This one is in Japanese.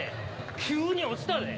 急に落ちたで。